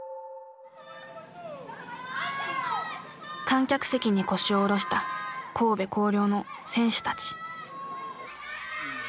観客席に腰を下ろした神戸弘陵の選手たち。